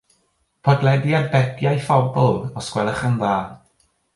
Podlediad Beti a'i phobl os gwelwch yn dda